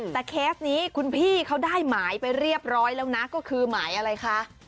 แต่เคสนี้คุณพี่เขาได้หมายไปเรียบร้อยแล้วนะก็คือหมายอะไรคะ